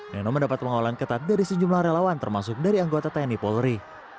neno mendapat pengawalan ketat dari sejumlah relawan termasuk dari anggota tni polri